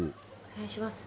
お願いします。